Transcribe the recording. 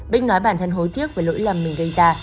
bích nói bản thân hối tiếc với lỗi lầm mình gây ta